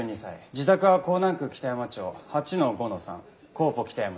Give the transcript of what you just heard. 自宅は港南区北山町８の５の３コーポ北山２０１。